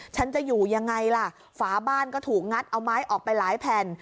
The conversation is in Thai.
ฉันจะอยู่ยังไงล่ะฝาบ้านก็ถูกงัดเอาไม้ออกไปหลายแผ่น